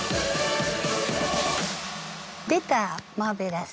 出た「マーベラス」。